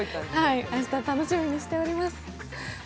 明日楽しみにしております。